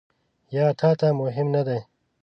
یا تا ته مهم نه دي ؟